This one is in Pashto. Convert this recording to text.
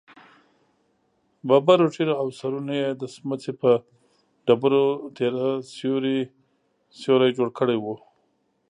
ببرو ږېرو او سرونو يې د سمڅې پر ډبرو تېره سيوري جوړ کړي ول.